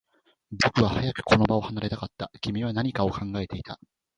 僕は早くこの場を離れたかった。君は何かを考えていた。